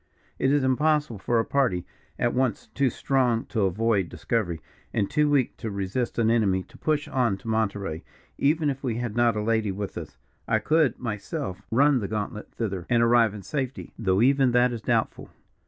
"It is impossible for a party, at once too strong to avoid discovery, and too weak to resist an enemy, to push on to Monterey, even if we had not a lady with us. I could, myself, run the gauntlet thither, and arrive in safety, though even that is doubtful.